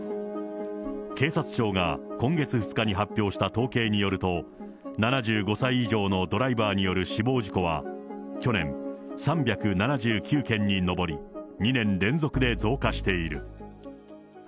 警察庁が今月２日に発表した統計によると、７５歳以上のドライバーによる死亡事故は去年３７９件に上り、２年連続で増加している。